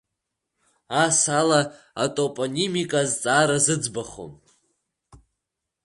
Ас ала атопонимика азҵаара зыӡбахом.